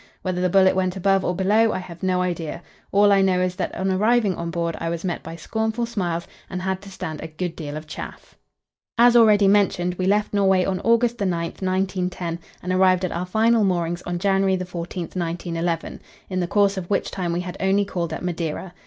Whether the bullet went above or below, I have no idea. All I know is, that on arriving on board I was met by scornful smiles and had to stand a good deal of chaff. As already mentioned, we left Norway on August 9, 1910, and arrived at our final moorings on January 14, 1911, in the course of which time we had only called at Madeira.